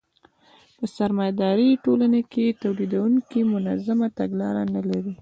په سرمایه داري ټولنو کې تولیدونکي منظمه تګلاره نلري